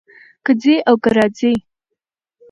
کۀ ځي او کۀ راځي